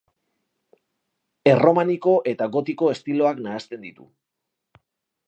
Erromaniko eta gotiko estiloak nahasten ditu.